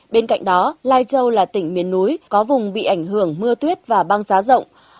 bên cạnh đó lai châu là tỉnh miền núi có vùng bị ảnh hưởng mưa tuyết và băng giá rộng